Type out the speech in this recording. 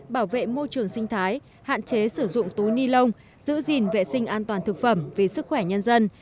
bảo vệ môi trường sinh thái hạn chế sử dụng túi ni lông giữ gìn vệ sinh an toàn thực phẩm vì sức khỏe nhân dân